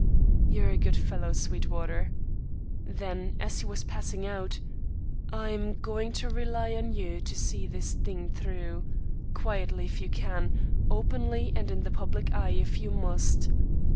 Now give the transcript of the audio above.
"You're a good fellow, Sweetwater." Then as he was passing out, "I'm going to rely on you to see this thing through, quietly if you can, openly and in the public eye if you must.